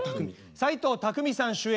斎藤工さん主演